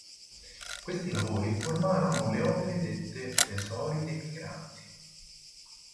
Questi lavori formarono le opere dette "tesori dei migranti".